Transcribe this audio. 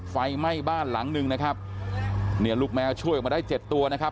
ไฟไหม้บ้านหลังหนึ่งนะครับเนี่ยลูกแมวช่วยออกมาได้เจ็ดตัวนะครับ